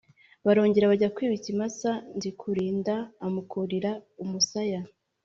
Barongera bajya kwiba, ikimasa, Nzikurinda amukurira umusaya